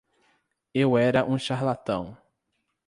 Eu era um charlatão...